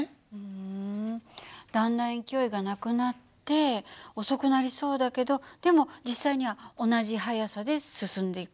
ふんだんだん勢いがなくなって遅くなりそうだけどでも実際には同じ速さで進んでいくっていう事よね。